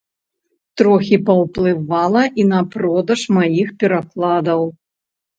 Трохі паўплывала і на продаж маіх перакладаў.